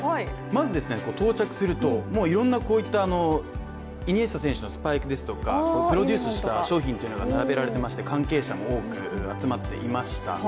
まず、到着するといろんなイニエスタ選手のスパイクですとかプロデュースした商品などが飾られてまして関係者も多く集まっていました。